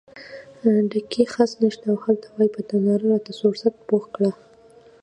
ډکی خس نشته او هلته وایې په تناره راته سوکړک پخ کړه.